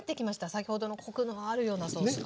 先ほどのコクのあるようなソースが。